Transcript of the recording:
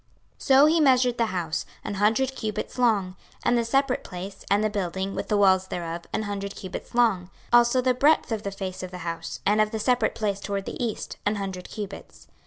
26:041:013 So he measured the house, an hundred cubits long; and the separate place, and the building, with the walls thereof, an hundred cubits long; 26:041:014 Also the breadth of the face of the house, and of the separate place toward the east, an hundred cubits.